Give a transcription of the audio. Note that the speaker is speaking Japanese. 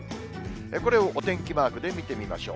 これをお天気マークで見てみましょう。